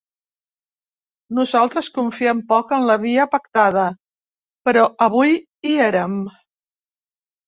Nosaltres confiem poc en la via pactada, però avui hi érem.